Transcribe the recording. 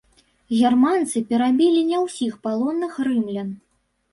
Германцы перабілі не ўсіх палонных рымлян.